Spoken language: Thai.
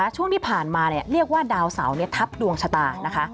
ช่วงที่ผ่านมาเรียกว่าดาวเสาทับดวงชะตานะคะ